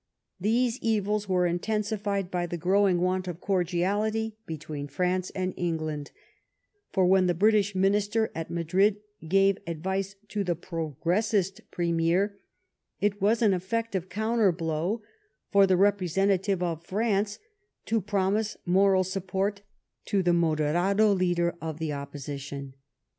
These evils were intensified by the growing want of cordiality between France and England ; for when the British minister at Madrid gave advice to a Progressist premier, it was an effective counterblow for the representative of France to promise moral support to the Moderado leader of the Opposition.